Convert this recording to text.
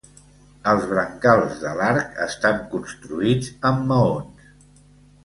Els brancals de l'arc estan construïts amb maons.